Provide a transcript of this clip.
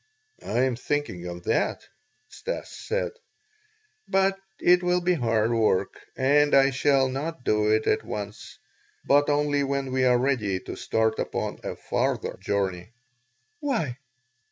"I am thinking of that," Stas said, "but it will be hard work and I shall not do it at once, but only when we are ready to start upon a farther journey." "Why?"